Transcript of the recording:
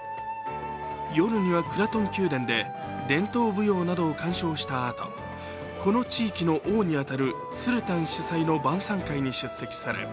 夜には、クラトン宮殿で伝統舞踊などを鑑賞したあと、この地域の王に当たるスルタン主催の晩さん会に出席され